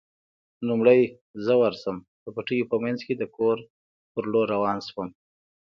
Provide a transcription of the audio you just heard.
لومړی زه ورشم، د پټیو په منځ کې د کور په لور روان شوم.